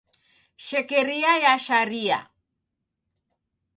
Shekeria ya sharia.